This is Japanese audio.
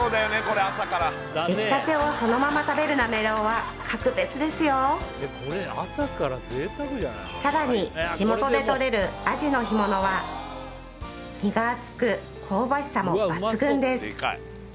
出来たてをそのまま食べるなめろうは格別ですよさらに地元でとれるアジの干物は身が厚く香ばしさも抜群です